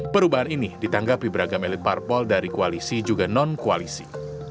perubahan ini ditanggapi beragam elit parpol dari koalisi juga non koalisi